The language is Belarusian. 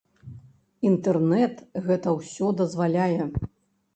Інтэрнэт гэта ўсё дазваляе.